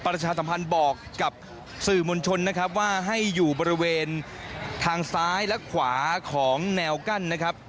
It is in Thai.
ประชาสัมพันธ์บอกกับสื่อมวลชนนะครับว่าให้อยู่บริเวณทางซ้ายและขวาของแนวกั้นนะครับ